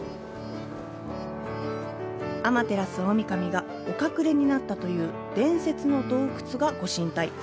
天照大神がお隠れになったという伝説の洞窟がご神体。